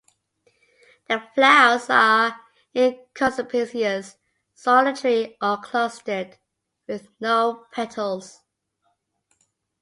The flowers are inconspicuous, solitary or clustered, with no petals.